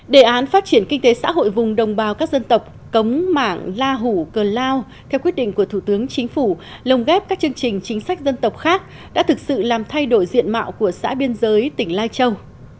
đề án phát triển kinh tế xã hội vùng đồng bào các dân tộc cống mảng la hủ cơ lao theo quyết định của thủ tướng chính phủ lồng ghép các chương trình chính sách dân tộc khác đã thực sự làm thay đổi diện mạo của xã biên giới tỉnh lai châu